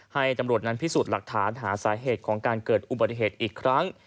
ให้ตำรวจนั้นพิสูจน์หลักฐานหาสาเหตุของการเกิดอุบัติเหตุอีกครั้ง